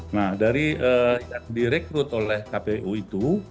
nah dari yang direkrut oleh kpu itu